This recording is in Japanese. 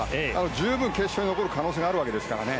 十分、決勝に残る可能性があるわけですからね。